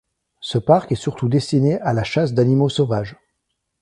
Ce parc est surtout destiné à la chasse d’animaux sauvages.